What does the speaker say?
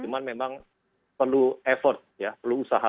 cuma memang perlu effort ya perlu usaha